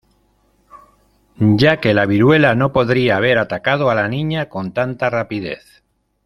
Ya que la viruela no podría haber atacado a la niña con tanta rapidez.